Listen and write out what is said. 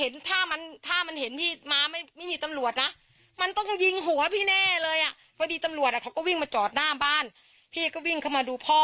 จะโดนยิงตายไปอีกคนไหม